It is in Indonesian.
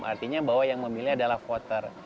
artinya bahwa yang memilih adalah voter